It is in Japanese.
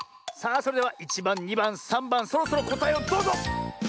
さあそれでは１ばん２ばん３ばんそろそろこたえをどうぞ！